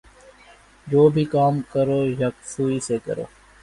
جو بھی کام کرو یکسوئی سے کرو